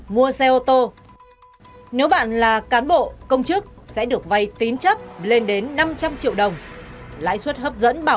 mua nhà sửa nhà xây nhà